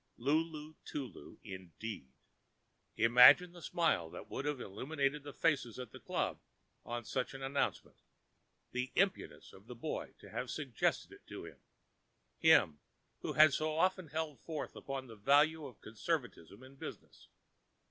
"Lulu Tulu" indeed! Imagine the smile that would have illumined the faces at the club on such an announcement. The impudence of the boy to have suggested it to him—him who had so often held forth upon the value of conservatism in business!